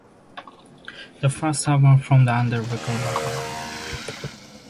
The first album from under record label.